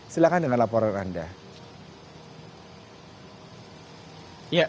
silahkan dengan laporan anda